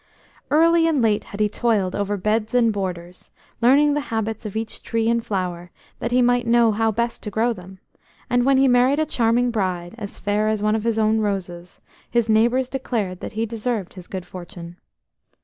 Early and late had he toiled over beds and borders, learning the habits of each tree and flower that he might know how best to grow them, and when he married a charming bride, as fair as one of his own roses, his neighbours declared that he deserved his good fortune.